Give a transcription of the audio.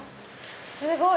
すごい！